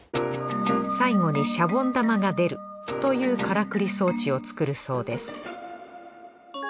最後にシャボン玉が出るというからくり装置を作るそうです